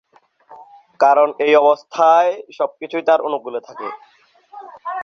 কারণ এই অবস্থায় সবকিছুই তার অনুকূলে থাকে।